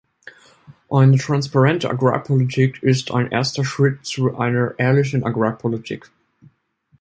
Eine transparente Agrarpolitik ist ein erster Schritt zu einer ehrlichen Agrarpolitik.